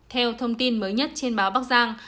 theo thông tin mới nhất trên báo bắc giang